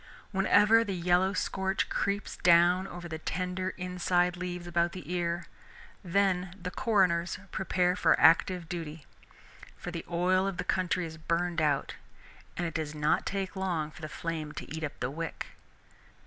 Whenever the yellow scorch creeps down over the tender inside leaves about the ear, then the coroners prepare for active duty; for the oil of the country is burned out and it does not take long for the flame to eat up the wick.